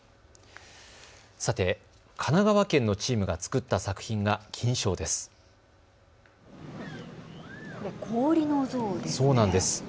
神奈川県のチームが作った作品が金賞です。